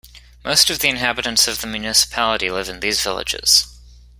Most of the inhabitants of the municipality live in these villages.